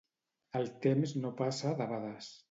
El temps no passa debades.